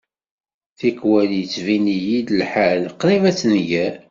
Tikwal yettbin-iyi-d lḥal qrib ad tenger.